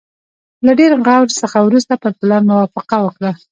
له ډېر غور څخه وروسته پر پلان موافقه وکړه.